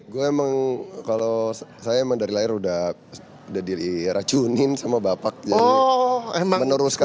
gue emang kalau saya emang dari lahir udah diracunin sama bapak jadi meneruskan